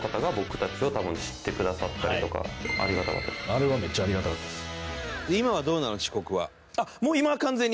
あれはめっちゃありがたかったです。